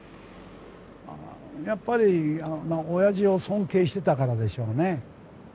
やっぱり親父を尊敬してたからでしょうね。